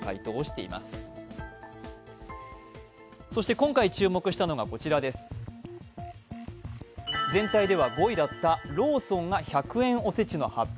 今回注目したのがこちら、全体では５位だったローソンが１００円おせちの発表